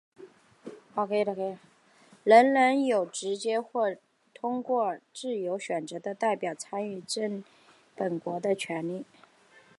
人人有直接或通过自由选择的代表参与治理本国的权利。